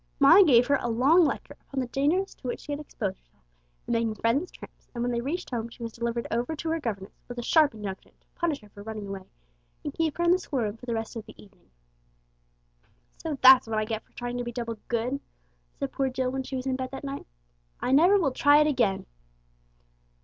Mona gave her a long lecture upon the dangers to which she had exposed herself in making friends with tramps, and when they reached home she was delivered over to her governess with a sharp injunction to punish her for running away, and keep her in the school room for the rest of the evening. "So that's what I get for trying to be double good!" said poor Jill when she was in bed that night. "I never will try it again!"